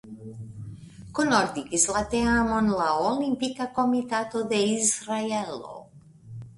Kunordigis la teamon la Olimpika Komitato de Israelo.